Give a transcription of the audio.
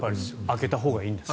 空けたほうがいいんですね。